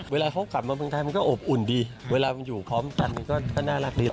เวลาเขากลับมาเมืองไทยมันก็อบอุ่นดีเวลามันอยู่พร้อมกันก็น่ารักดี